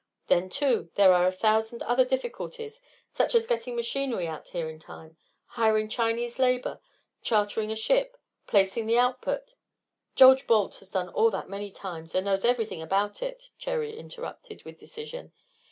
Then, too, there are a thousand other difficulties, such as getting machinery out here in time, hiring Chinese labor, chartering a ship, placing the output " "George Balt has done all that many times, and knows everything about it," Cherry interrupted, with decision.